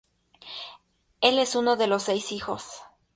Él es uno de seis hijos.